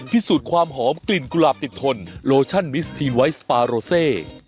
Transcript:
พิสูจน์ความหอมกลิ่นกุหลาบติดทนโลชั่นมิสทีนไวท์สปาโรเซ